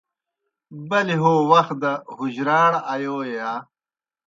بَلِیْ ہو وخ دہ حجراڑ آیوئے یا؟